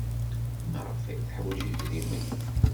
Maɣef ay teḥwaj idirmen?